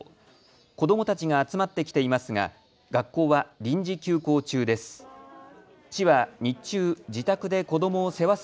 子どもたちが集まってきていますが学校は臨時休校中です。